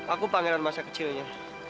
aku pangeran masa kecilnya